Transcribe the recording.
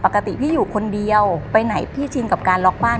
ปกติพี่อยู่คนเดียวไปไหนพี่ชินกับการล็อกบ้าน